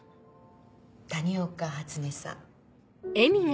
谷岡初音さん。